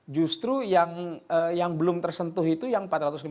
justru yang belum tersentuh itu yang empat ratus lima puluh